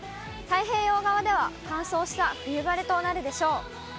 太平洋側では、乾燥した冬晴れとなるでしょう。